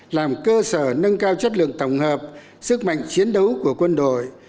làm cơ sở nâng cao chất lượng tổng hợp sức mạnh chiến đấu của quân đội